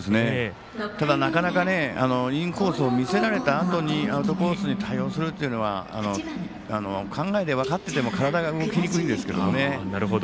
ただ、なかなかインコースを見せられたあとにアウトコースに対応するというのは考えで分かってても体が動きにくいんですけどね。